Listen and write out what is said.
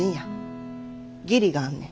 義理があんねん。